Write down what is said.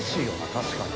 確かに。